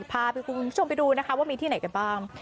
พาคุณผู้ชมไปดูนะคะว่ามีที่ไหนกันบ้าง